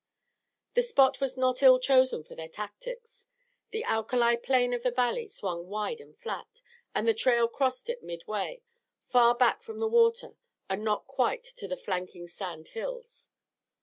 The spot was not ill chosen for their tactics. The alkali plain of the valley swung wide and flat, and the trail crossed it midway, far back from the water and not quite to the flanking sand hills.